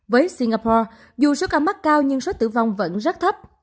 với singapore dù số ca mắc cao nhưng số tử vong vẫn rất thấp